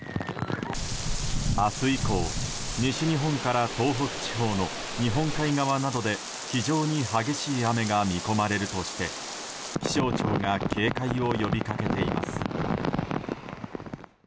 明日以降、西日本から東北地方の日本海側などで非常に激しい雨が見込まれるとして気象庁が警戒を呼びかけています。